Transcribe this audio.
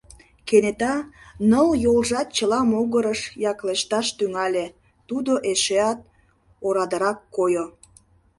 Кенета ныл йолжат чыла могырыш яклешташ тӱҥале, тудо эшеат орадырак койо.